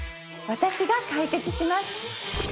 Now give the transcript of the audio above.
私が解決します